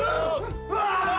うわ！